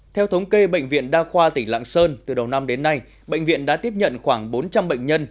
theo thống kê bệnh viện đa khoa tỉnh lạng sơn từ đầu năm đến nay bệnh viện đã tiếp nhận khoảng bốn trăm linh bệnh nhân